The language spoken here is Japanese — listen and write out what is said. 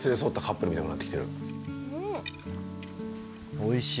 おいしい。